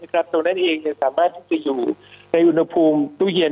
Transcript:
ตรงนั้นเองสามารถที่จะอยู่ในอุณหภูมิตู้เย็น